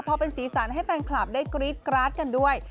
พอเป็นสีสันให้แฟนคลับได้กรี๊ดกราดกันด้วย